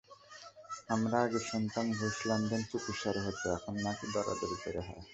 আমরা আগে শুনতাম, ঘুষ লেনদেন চুপিসারে হতো, এখন নাকি দরাদরি করে হয়।